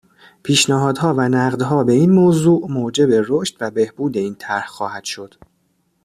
پیشنهادها و نقدها به این موضوع، موجب رشد و بهبود این طرح خواهد شد